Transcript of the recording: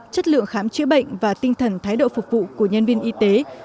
chất lượng khám chữa bệnh và tinh thần thái độ phục vụ của nhân viên y tế